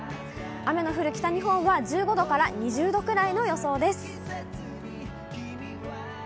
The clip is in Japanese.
雨の降る北日本は１５度から２０度くらいの予想です。